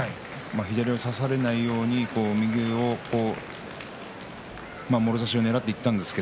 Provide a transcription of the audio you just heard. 左を差されないように右をもろ差しをねらっていったんですが。